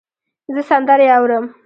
زه سندرې اورم.